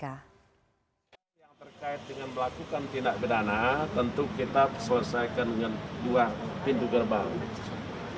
yang terkait dengan melakukan tindak pidana tentu kita selesaikan dengan dua pintu gerbang